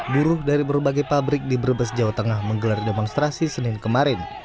buruh dari berbagai pabrik di brebes jawa tengah menggelar demonstrasi senin kemarin